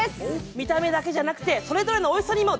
見た目だけじゃなくてそれぞれのおいしさにも